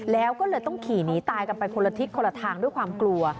แล้วก็เลยต้องขี่หนีตายกันไปคนละทิศคนละทางด้วยความกลัว